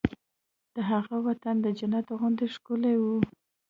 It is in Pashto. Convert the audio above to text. د هغه وطن د جنت غوندې ښکلی و